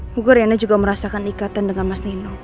bukan reina juga merasakan ikatan dengan mas nino